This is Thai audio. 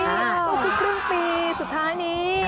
ก็คือครึ่งปีสุดท้ายนี้